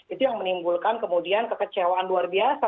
itu yang menimbulkan kemudian kekecewaan luar biasa